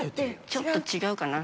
ちょっと違うかな。